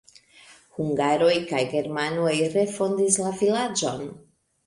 Hungaroj kaj germanoj refondis la vilaĝon.